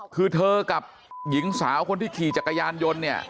คือเธอกับหญิงสาวคนที่ขี่จักรยานยนต์เนี่ย